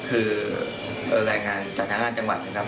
คือรายงานจากทางการจังหวัดนะครับ